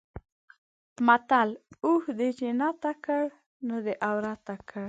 متل: اوښ چې دې نته کړ؛ نو دی عورته کړ.